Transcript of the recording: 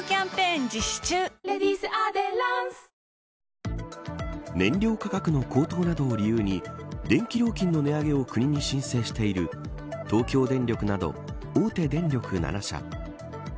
満載で燃料価格の高騰などを理由に電気料金の値上げを国に申請している東京電力など大手電力７社。